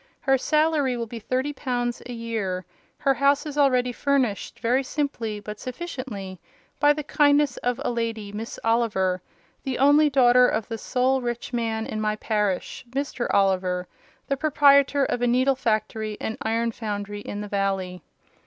Her salary will be thirty pounds a year: her house is already furnished, very simply, but sufficiently, by the kindness of a lady, Miss Oliver; the only daughter of the sole rich man in my parish—Mr. Oliver, the proprietor of a needle factory and iron foundry in the valley.